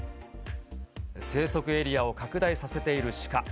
生息エリアを拡大させているシカ。